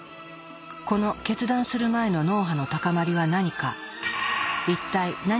この決断する前の脳波の高まりは何か。